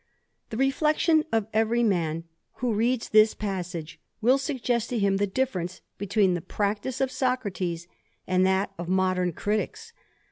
The reflection of every man who reads this passage will suggest to him the difference between the practice of Socrates, and that of modern criticks.